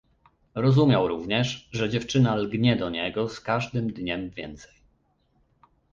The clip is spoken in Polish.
"Rozumiał również, że dziewczyna lgnie do niego z każdym dniem więcej."